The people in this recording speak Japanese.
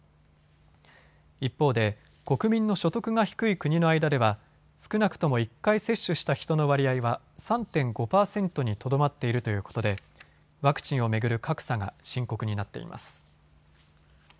一方で国民の所得が低い国の間では少なくとも１回接種した人の割合は３．５％にとどまっているということでワクチンを巡る格差が深刻になっています。